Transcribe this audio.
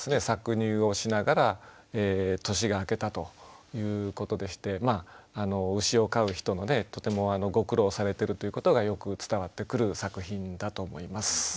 搾乳をしながら年が明けたということでして牛を飼う人のねとてもご苦労されてるということがよく伝わってくる作品だと思います。